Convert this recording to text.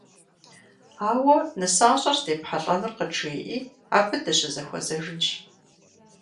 Ауэ нысащӏэр здепхьэлӀэнур къыджеӀи, абы дыщызэхуэзэжынщ.